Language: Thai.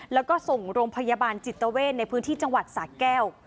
แล้วก็ส่งโรงพยาบาลจิตเวทในพื้นที่จังหวัดสะแก้ว